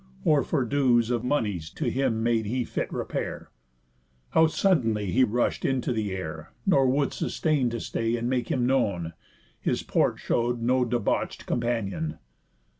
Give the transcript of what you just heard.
Or for dues Of moneys to him made he fit repair? How suddenly he rush'd into the air, Nor would sustain to stay and make him known! His port show'd no debauch'd companion."